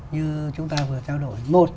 như chúng ta vừa trao đổi một